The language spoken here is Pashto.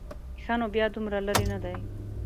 ښه نو بیا دومره لرې نه دی.